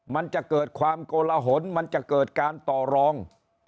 มันจะเกิดความโกลหนมันจะเกิดการต่อรอง